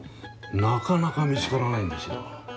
なかなか見つからないんですよ。